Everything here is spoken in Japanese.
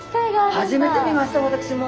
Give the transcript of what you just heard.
初めて見ました私も。